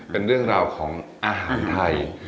เป็นเรื่องราวของอาหารไทย